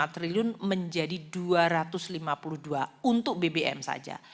delapan belas lima triliun menjadi dua ratus lima puluh dua untuk bbm saja